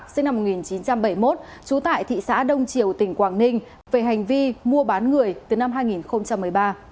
sinh năm một nghìn chín trăm bảy mươi một trú tại thị xã đông triều tỉnh quảng ninh về hành vi mua bán người từ năm hai nghìn một mươi ba